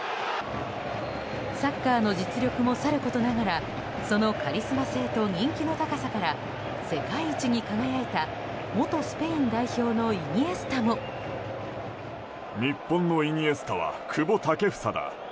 サッカーの実力もさることながらそのカリスマ性と人気の高さから世界一に輝いた元スペイン代表のイニエスタも。と、大絶賛。